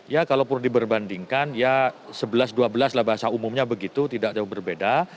ya kalau perlu diberbandingkan ya sebelas dua belas lah bahasa umumnya begitu tidak jauh berbeda